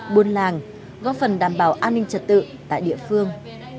buôn làng góp phần đảm bảo an ninh trật tự tại địa phương